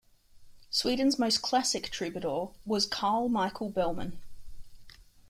Sweden's most classic troubadour was Carl Michael Bellman.